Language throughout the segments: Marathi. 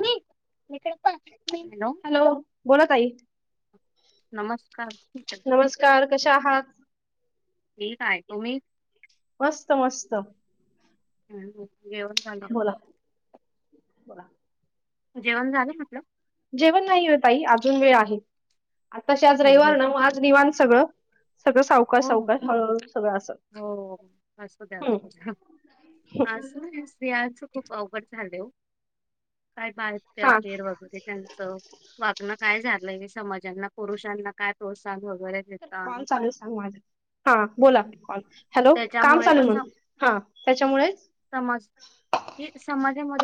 Hello hello. बोला ताई? नमस्कार ठीक आहे. चहा? ठीकय तुम्ही? मस्त मस्त. हम्. घेऊन झाल. बोला. जेवण झालं म्हटलं. जेवण नाही हो ताई अजून वेळ आहे. आताशी आज हम्म, रविवार ना मग आज निवांत. सगळं. सगळं सावकाश हो सावकाश हळूहळू सगळं असं हो असू द्या हम्म असू द्या आज आज-काल स्त्रियांचं खूप अवघड झाले हो. काय बाहेर ते हा अफेअर वगैरे त्यांचं वागण. काय झालंय हे समाजांना पुरुषांना काय प्रोत्साहन कॉल होत. [inaudible] चालू सांग हा बोला हॅलो काम त्याच्यामुळे चालू आहे त्याच्यामुळे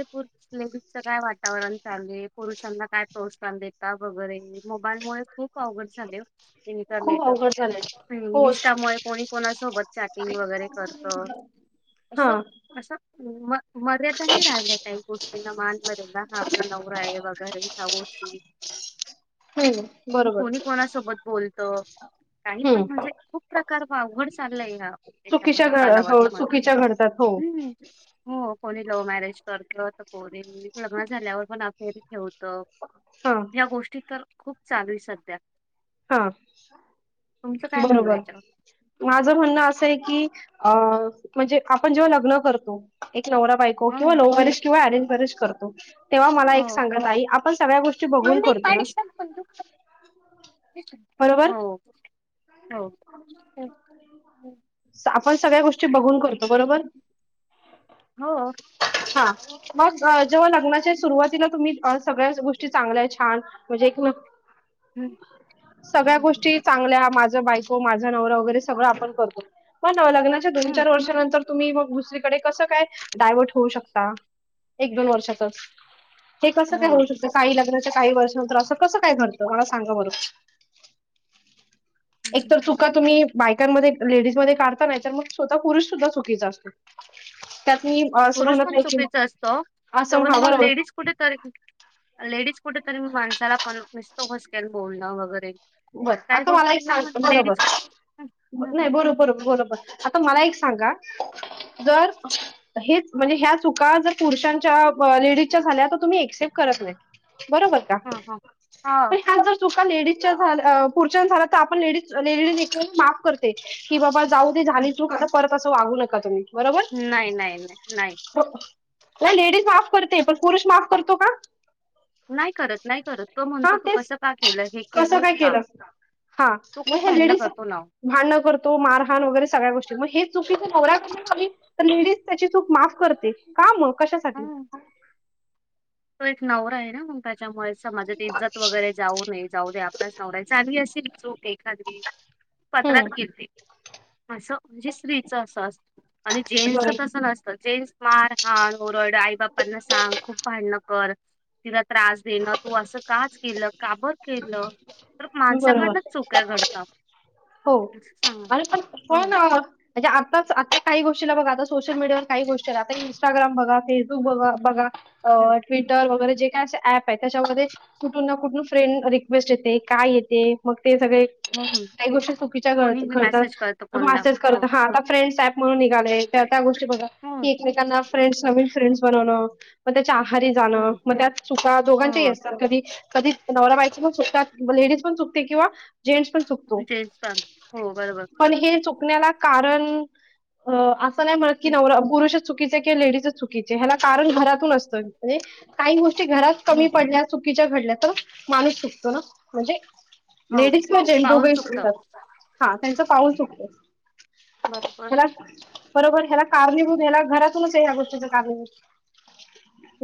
लेडीज काय वातावरण चालू पुरुषांना काय प्रोत्साहन देता वगैरे मोबाईलमुळे खूप अवघड झाले खूप इंटरनेट अवघड झालंय हो इन्स्टामुळे कोणी कोणासोबत चॅटिंग वगैरे करत हा असं असं म मर्यादा नाही राहिल्या काही गोष्टींना मान मर्यादा हा आपला नवरा आहे वगैरे गोष्टी हा बरोबर त पण हम्म म्हणजे खूप प्रकार प अवघड चाललय ह्या चुकीच्या त्याच्यामध्ये घड् हो कालावधीमध्ये चुकीच्या घडतात हो हम्म हो कोणी लव्ह मॅरेज करतो तर कोण लग्न झाल्यावर पण अखेरी [unintelligible] तर हा ह्या गोष्टी तर खूप चालूय सध्या हा तुमचं काय म्हणणं आहे बरोबर याच्यावर? माझं म्हणणं असं आहे की अ म्हणजे आपण जेव्हा लग्न करतो एक् नवरा बायको किंवा हो लव मॅरेज किंवा अरेंज हो मॅरेज करतो तेव्हा मला एक हो. सांगा ताई आपण सगळ्या गोष्टी बघून नाही, करतो ना पाडेशन पण तू. बरोबर? हो हो. हो. हं, आपण सगळ्या गोष्टी बघून करतो बरोबर? हो हा मग जेव्हा लग्नाच्या सुरुवातीला तुम्ही सगळ्याच गोष्टी चांगल्याय छान म्हणजे एक सगळ्या हं, हं. गोष्टी चांगल्या माझ्या जर बाई तो माझा नवरा वगैरे सगळं आपण करतो पण किंवा लग्नाच्या दोन हं, चार वर्षानंतर तुम्ही मग दुसरीकडे कसं काय डायवर्ट होऊ शकता एक दोन वर्षातच हे कसं काय हो. होऊ शकतं काही लग्न काही वर्षानंतर असं कसं काय घडतं मला सांगा बरं एक तर चुका तुम्ही बायकांमध्ये लेडीज मध्ये काढता नाही तर मग स्वतः पुरुष सुद्धा चुकीचा असतो. त्यात मी असं पुरुष म्हणत पण नाही की चुकीचा असतो असं हा तेवढचं मग बरोबर लेडीज कुठे तरी लेडीज कुठेेतरी मी माणसाला पण नसतो [unintelligible] बोलणं वगैरे बरं काही आता मला एक गोष्टींना सांग मग बरोबर लेडीज हं, हं, हं. नाही बरोर बरोबर आता मला एक सांगा जर हे म्हणजे ह्या चुका जर पुरुषांच्या लेडीजच्या झाल्या तर तुम्ही एक्सेप्ट करत नाही बरोबर का हां, हां. हां. पण ह्याच जर चुका लेडीजच्या झाल अ पुरुषांच्या झालं तर आपण लेडीज लेडी एकवेळेस माफ करते की बाबा जाऊदे हं. झाली चुक आता परत तसं वागू नका तुम्ही बरोबर नाही नाही नाही नाही हो लेडीज माफ करते पण पुरुष माफ करतो का? नाही करत नाही करत तो म्हणतो हा तू तेच असं का केलं हे कसं काय केलंस का? केलं हा तो मग खूप हे भांडणं लेडीज करतो ना भांडणं करतो मारहाण वगैरे सगळ्या गोष्टी मग हे चुकी नवऱ्याून तर लेडीज त्याची चूक माफ करते का मग कशासाठी ओ. तो एक नवरा आहे ना मग त्याच्यामुळे समाजात इज्जत वगैरे जाऊ नये जाऊ दे आपल्याच नव आहे चांगली अशी चूक एखादी पत्रात हम्म गेते असं म्हणजे स्त्रीचं असं असत आणि जेंट्सच बरोबर तसं नसतं जेंट्स मार हाण ओरड आई बापांना सांग खूप भांडणं होर तिला त्रास देणं तू असं काच केलं काबत ल तर बरोबर माणसाकडनं चोक्या घडतात हो असं सांगाल आणि पण हो. कोण म्हणजे आताच आता काही गोष्टी बघा आता सोशल मीडियावर काही गोष्टी आ इंस्टाग्राम बघ फेसबुक बघा बघा हं अ ट्विटर हं वगैरे जे काय अस ऍप त्याच्यामध्ये कुठून ना कुठून फ्रेंड रिक्वेस्ट येते काय येते मग ते सगळे हो हं. [inaudible] कोणी बी सापणून मेसेज करतं कोणला हो त्या गोष्टी बघा हो. की एकमेकां फ्रेड्स नवीन फ्रें्स बनव म आहारी जाणं हं मग त्यात चुका दोघांच्या हो असतात कधी कधीच नवराबाईचे पण चुकतात लेडीज पण चुकते किंवा जें्स पण सुकतो चाल हो बरो बर कारण हं नाही पुरुष चुकी किवा लेच चुकी ह कारण घरातून असत काही ग कमी हं पडल्या चु घडल्या तर माणूस चतो ना म्हणजे हो लेडीस म जेंट हो पाऊल गै चुकतं हा त्यांचं पाऊल चुकत. बरोबर [unintelligible] बरोबर ह्याला कारणीभूत ह्याला घरातूनच आहे ह्या गोष्टीचा कारणीभूत.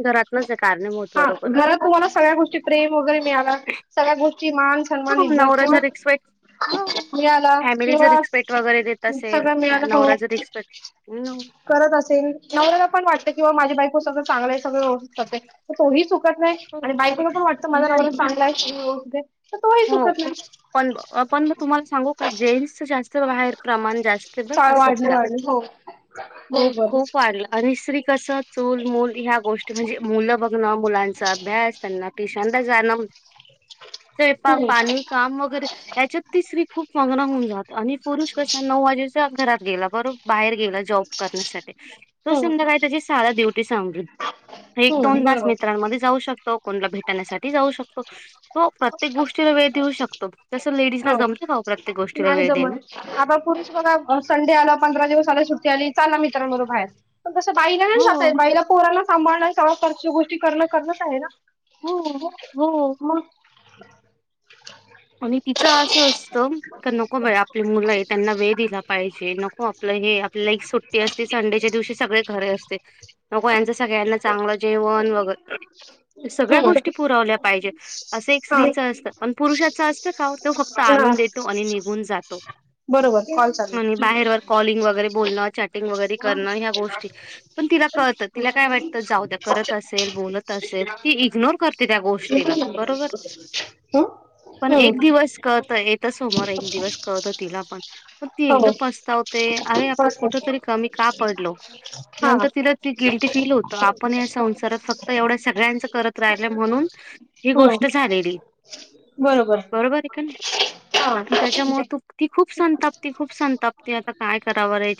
घरातलंच आहे कारणीभूत हा बरोबर घरात तुम्हाला सगळ्या गोष्टी प्रेम वगैरे मिळाला सगळ्या गोष्टी मान सन्मान हो इज्जत नवरा किंवा जर एक्सपेक्ट हो मिळाला फॅमिली जर किंवा रिस्पेक्ट वगैरे देत असेल सगळं अ, मिळाला हो नवरा जर रिस्पेक्ट नो. करत असेल नवऱ्याला पण वाटत की हो माझी बायको सगळं चांगल आहे सगळं तोही त नाही हो. आणि बायकोला पण वाटत माझ नाही नवरा चांगलाय. तर तोही हो चुकत पण अ, पण मग नाही. तुम्हाला सांगू का जेंन्स जास्त बाहेर प्रमाण जास्त बघ चाळ वाढली सध्या वाढली हो खूप बरोबर खूप वाढलं स्ञी कस चूल मूल ह्या गोष्टी म्हणजे मुलं बघणं मुलांचा अभ्यास त्यांना ट्युशनला जाणं. ते प हम्म पाणी काम वगैरे याच्यात स्त्री खूप मग्न होऊन जात आणि पुरुष कसा नऊ वाजेच्या घरात गेला बरो बाहेर गेला जॉब करण्यासाठी तो हम्म संध्याकाळी आहे त्याची सहाला ड्युटी सपंली एक हम्म दोन तास बरोबर मित्रांमध्ये जाऊ शकत तो कोणला भेटण्यासाठी जाऊ शकतो तो गोष्टीला वेळ देऊ शकतो तसं लेडीजला हो जमतं का ओ प्रत्येक गोष्टीला नाही वेळ देणं? जमत आता पुरुष बघा संडे आला पंधरा दिवस आला सुट्टी आली चला मित्रांबरोबर बाहेर. तसं बाईला नाही हो, जातय बाईला पोरांना सांभाळण संसारच्या गोष्टी करण करणच आहे ना. हो मग अ [unintelligible] आणि तिचं असं असत नको बाई आपली मुलं आहे त्यांना वेळ दिला पाहिजे नको आपलं हे आपल्याला एक सुट्टी असते संडेच्या दिवशी सगळे घरी असते नको यांचं सगळ्यांना चांगलं जेवण वगैरे सगळ्या हम्म गोष्टी पुरवल्या पाहिजेत असं एक स्त्रीच असत आणि पुरुषाच असतं का तो फक्त हा आणून देतो आणि निघून जातो बरोबर कॉल चालू आणि बाहेर कॉलींग वगैरे बोलन चॅटिंग वगैरे करून ह्या गोष्टी पण तीला कळतं तीला काय वाटतं जावू द्या करत असेल बोलत असेल ती इग्नोर करते त्या गोष्टीला हं? बरोबर. हं. पण हो. एक दिवस कळतं येत समोर एक दिवस कळतं तिला पण पण ती एकदिवस पचतावते अरे आपण मस्त. कुठं तरी कमी का पडलो हा. नंतर तिला ती गिल्टी फील होत आपण या संसारात फक्त एवढ्या सगळ्यांच कर झालेली हो बरोबर आहे का नाही त्याच्यामुळे तु ती खूप संतापती खूप संतापती आता काय करावरे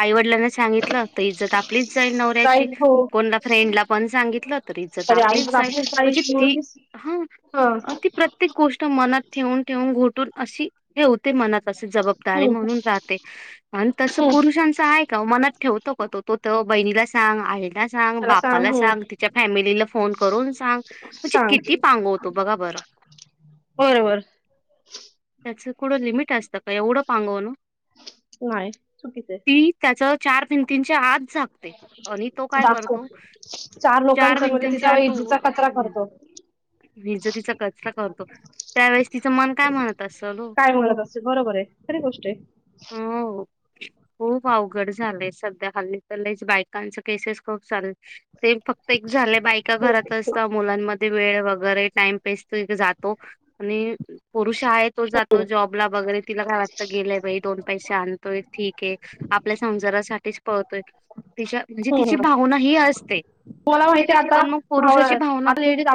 आईवडिलांने सांगितलं तर इज्जत आपलीच जाईल नवऱ्याची जाईल हो. कोणला फ्रेंडला पण सांगितलं तर इज्जत आपलीच जाईल ताई म्हणजे ती जेवलीस हा हो अ, ती प्रत्येक गोष्ट मनात ठेवून ठेवून घ अशी ठेवते मनात. जबाबदारी हं. म्हणून राहते आणि तस हं. पुरुषांच आहे का मनात ठेवतो का तो. तो त बहिणीला सांग आहे. जा सांग त्याला बापाला हं. सांग तिच्या फॅमिलीला फोन करून सांग म्हणजे किती पांगवतो बघा बरं होय होय. असं कुठं लिमिट असतं का एवढं पांगवन. नाही चुकीचय त्याचं चार भिंतीनच्या आत झाकते आणि तो काय करतो दाखवतो चार लोकांन समोर म्हणजे तिचा ईजिचा कचरा करतो. विजतिचा कचरा करतो. त्यावेेळेस तिचं मन काय म्हणत असेल हो काय म्हणत असते. बरोबर आहे. खरी गोष्ट आहे. हो खूप अवघड झालंय सग सध्या हल्ली तर लईच बायकांच केसेस खूप चाल ते फक्त एक झाल्या बायका हो. घरात असत मुलांमध्ये वेळ वगैरे टाइमपेस तो एक जातो आणि पुरुष आहे तो जातो जॉबला वगैरे तिला काय वाटत गेलाय बाई दोन पैसे आणतोय ठीक आहे आपल्या संजारासा टीच पळतोय. तिच्या म्हणजे तिची हं. भावना ही असते मला माहितीये आता पण मग पुरुषाची भावना आता लेडीज खूप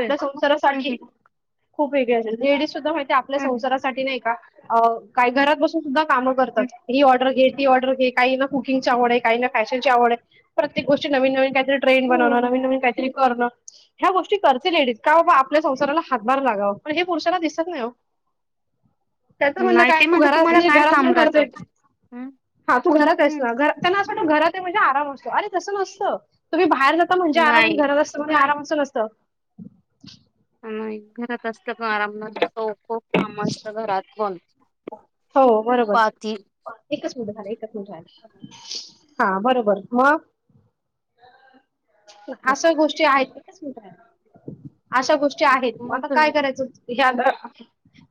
हं हं संसारासाठी खूप वेगळी असतात लेडी [unintelligible] ते आपल्या हं संसारासाठी नाही का अ काय घरात बसून सुद्धा कामं हं करतात ही ऑर्डर घे ती ऑर्डर घे काही ना कुकिंगची आवड आहे काही ना फॅशन ची आवड आहे. प्रत्येक गोष्टी नवीन नवीन ट्रेन हो बनव नवी नवीन काहीतरी करण ह्या गोष्टी करते लेडीज का बाबा आपल्या संसाराला हातभार लागावं पण हे पुरुषाना दिसत नाही हो. त्याच म्हणण नाही काय ते तू म्हणतात घरात तुम्हाला अस काय घरात काम प करतय राहतं हं हा तू घरात अस हं त्यांना असं ना घरात म्हणजे आराम असतो अरे तसं नसतं तुम्ही बा बाहेर जात म्हणज आराम नाही नसतं घर असत आराम समजत. घरात असत का आराम नसतो. खूप काम असतं घरात पण हो बरोबर पाती एकच मिनिट झाला एकच मिनिट रायला. हा बरोबर मग असं गोष्टी आहेत. अशा गोष्टी आहेत आता म मग आता काय करायचं? ह्या ग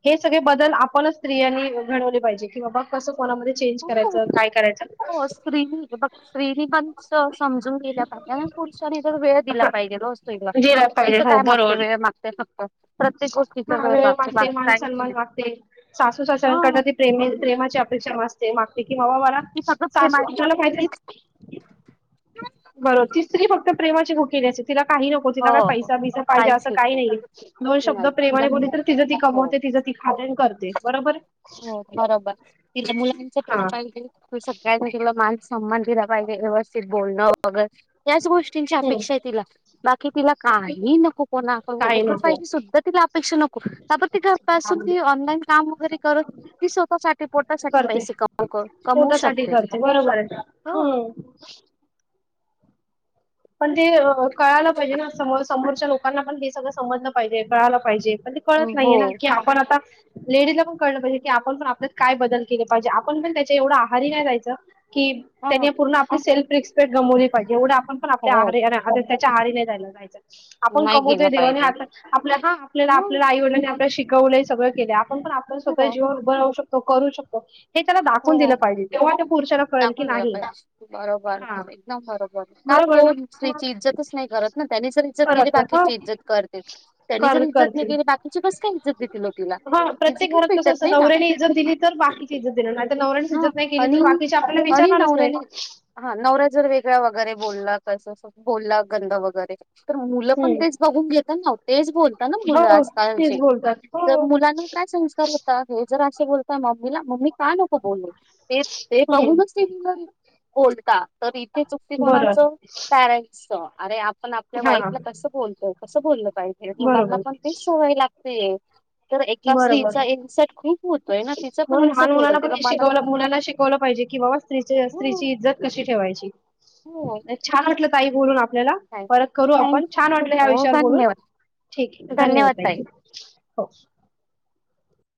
हे सगळे बदल आपणच स्त्रियांनी घडवले पाहिजे की बाबा कसं कोणामध्ये चेंज करायचं काय करायचं हो स्त्री बघ स्त्रीनी पण स समजून गेल्या पाहिजे आणि पुरुषांनी तर वेळ दिला पाहिजे ओ स्त्रीला गेला ती पाहिजे तर हो काय मागते? बरोबर वेळ मागते फक्त. प्रत्येक गोष्टीचा हा वेळ लागते मागते बाकी मान काहीच सन्मान नाही मागते, सासू सा कारण का हा ती प्रेमी प्रेमाची अपेक्षा बास ते मागते. कि बबा मला, ती फक्त सासू प्रेमाची तीच [unintelligible] बरोबर ती स्त्री [unintelligible] तिला काही नको हो तिला काय हो पैसा बिसा पाहिजे काय असं काही शिकू नाही, दोन शब्द नाही तिला प्रेमाने हो बोलली तर तिचं ती कमवते तिचं ती खाते अन कर हो बरोबर तिथ मुलांच हा प्रेम पाहिजे. [unintelligible] मंदिराला पाहिजे व्यवस्थित बोलणं वगैरे. त्याच गोष्टींची हम्म अपेक्षा आहे तिला. बाकी तिला काही नको. कोणाकडून. काही एक नको रुपयाची सुद्धा तिला अपेक्षा नको. दहा तिपासून ती. मिनिट काम वगैरे करत. ती स्वतःसाठी पोटासाठी करते पैसे क कमवू पोटासाठी शकते. करते बरोबर आहे हो. हम्म पण ते कळायला पाहिजे ना. सम समोरच्या लोक लोकाना पण ते सगळं समजलं पाहिजे. कळालं पाहिजे. पण ते कळत हो नाहीये ना. की आपण आता. लेडीजला पण कळलं पाहिजे. की आपण पण आपल्यात काय बदल केले पाहिजे. आपण पण त्याच्या एवढं आहारी नाही जायचं. कि त्यांनी हो पूर्ण आपली सेल्फ रिक्सपेट गवली पाहिजे एवढे आपण आपली. हो आहारी गेले ना. त्याच्या आहारी नाहीं जायचं. आपण नाही कमवतोय. गेलं देवानी पाहिजे आप आपल्या हा आपल्याला हो आपल्याला आई-वडलांनी आपल्या शिक शिकवलय सगळं केल्या. आपण पण आपल्या स्वतःच्या हो जीवावर उभ राहू शकोतो. करू शकतो. हे त्याला दाखवून दिलं हो पाहिजे, तेव्हा त्या पुरुषाला कळेल की, दाखवून दिला नाही पाहिजे बरोबर हा एकदम बरोबर का बरोबर तो ना. स्त्रीची इज्जतच नाही घरात ना, त्यांनी जर इज्जत केली खरंच हो बाकीची इज्जत करतील. त्यांनी जर कर इज्जत नाही करतील. केली, बाकीची कसं का इज्जत देतील ओ तिला. हा प्रत्येक इज्जतच घरात कसं भेटत असतं नाही ना. नवऱ्याने इज्जत दिली तर बाकीची इज्जत देणार नाही तर नवऱ्यानेच हा इज्जत नाही केली तर आणि बाकीचे आपल्याला आणि विचारणारच नाही. नवऱ्यानी, हा नवरा जर वेगळा वगैरे बोलला कस तसं बोलला गंध वगैरे तर मुलं पण तेच हम्म बघूक घेतात ना व, तेच बोलता ना मुलं हो तेच आजकालचेे, बोलतात तर हो मुलांना काय संस्कार होत आहे. जर असे बोलता मम्मीला मम्मी का नको बोलू. ते ते बघूनच हम्म ती मुलं बोलता, तर इथे चुकती बरं. कोणाचं पॅरेंट्सच. अरे आप पण आपल्या हा वाईफला कसं बोलतोय कसं बोललं पाहिजे मुलांना बरोबर पण ते सोयवी लागत ते तर एका बरोबर. स्त्रीचा इन्सर्ट खूप होतोय ना तिचा पण इन्सर्ट होतोय मुलाला पण तिला हे मनाला शिकवलं मुलाला शिकवलं पाहिजे की बाबा स्त्री हो स्त्रीची इज्जत कशी ठेवायची. हो नाही छान म्हटलं. काही बोलू न. आपल्याला थँक परत करू आपण छान वाटलं, या हो विषयावर बोलून, धन्यवाद ठीक आहे धन्यवाद ताई. हो [unintelligible]